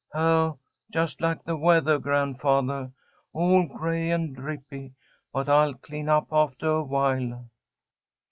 "Oh, just like the weathah, grandfathah. All gray and drippy; but I'll clean up aftah awhile."